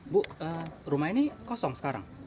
bu rumah ini kosong sekarang